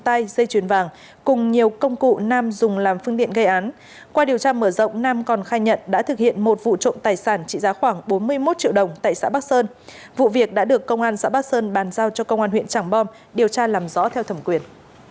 trị giá khoảng bốn mươi một triệu đồng tại xã bắc sơn vụ việc đã được công an xã bắc sơn bàn giao cho công an huyện tràng bom điều tra làm rõ theo thẩm quyền